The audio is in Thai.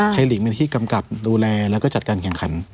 หลีกเป็นที่กำกับดูแลแล้วก็จัดการแข่งขัน